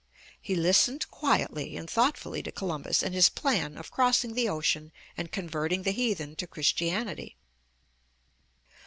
He listened quietly and thoughtfully to Columbus and his plan of crossing the ocean and converting the heathen to Christianity.